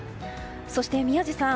そして、宮司さん。